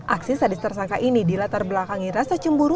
aksi sadis tersangka ini dilatar belakangi rasa cemburu